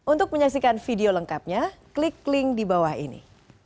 untuk menyaksikan video lengkapnya klik link di bawah ini